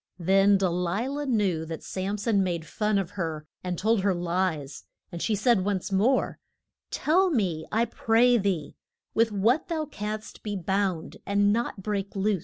Then De li lah knew that Sam son made fun of her and told her lies, and she said once more, Tell me, I pray thee, with what thou canst be bound and not break loose.